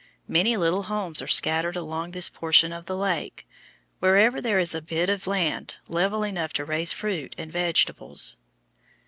Many little homes are scattered along this portion of the lake, wherever there is a bit of land level enough to raise fruit and vegetables.